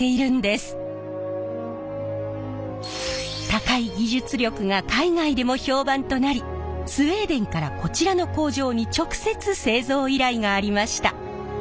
高い技術力が海外でも評判となりスウェーデンからこちらの工場に直接製造依頼がありました。